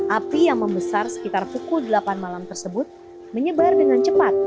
api yang membesar sekitar pukul delapan malam tersebut menyebar dengan cepat